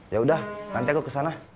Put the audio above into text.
yaudah nanti aku kesana